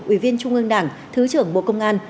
ủy viên trung ương đảng thứ trưởng bộ công an